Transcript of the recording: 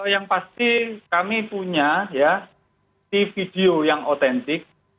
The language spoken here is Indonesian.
yang pasti kami punya ya di video yang otentik